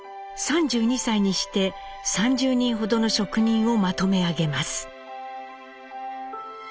３２歳にして３０人ほどの職人をまとめ上げます。